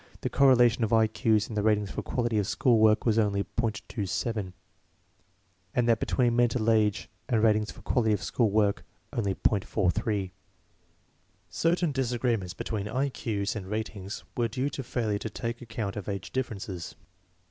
The correlation of I Q's and the ratings for quality of school work was only .27, and that between mental age and ratings for quality of school work only .43. Certain disagreements between I Q's and ratings were due to failure to take account of age differences.